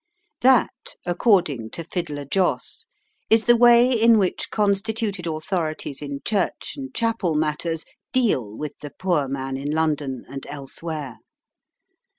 That, according to Fiddler Joss, is the way in which constituted authorities in church and chapel matters deal with the poor man in London and elsewhere.